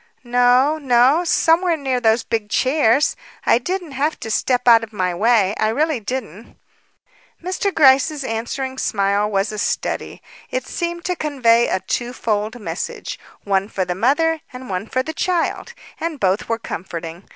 "No, no. Somewhere near those big chairs; I didn't have to step out of my way; I really didn't." Mr. Gryce's answering smile was a study. It seemed to convey a two fold message, one for the mother and one for the child, and both were comforting.